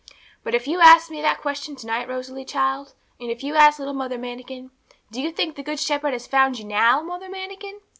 But if you asked me that question to night, Rosalie, child, if you asked little Mother Manikin, "Do you think the Good Shepherd has found you now, Mother Manikin?"